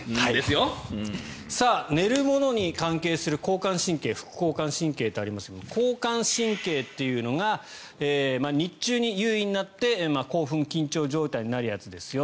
寝るものに関係する交感神経、副交感神経というのがありますが交感神経というのが日中に優位になって興奮、緊張状態になるやつですよ。